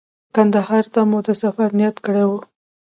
کندهار ته مو د سفر نیت کړی و.